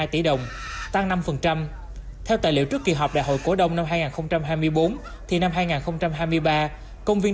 một mươi tỷ đồng tăng năm theo tài liệu trước kỳ họp đại hội cổ đông năm hai nghìn hai mươi bốn thì năm hai nghìn hai mươi ba công viên